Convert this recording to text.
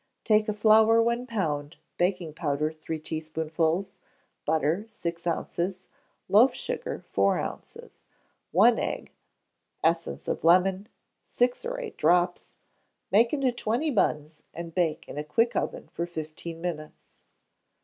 Take of flour one pound; baking powder, three teaspoonfuls; butter, six ounces; loaf sugar, four ounces; one egg; essence of lemon, six or eight drops: make into twenty buns, and bake in a quick oven for fifteen minutes.